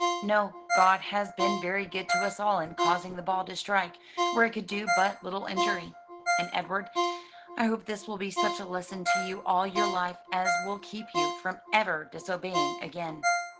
"No; God has been very good to us all in causing the ball to strike where it could do but little injury. And Edward, I hope this will be such a lesson to you all your life as will keep you from ever disobeying again."